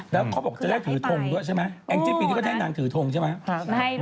แล้วเขาบอกจะได้ถือทงด้วยใช่ไหมแองจี้ปีนี้ก็ได้นางถือทงใช่ไหม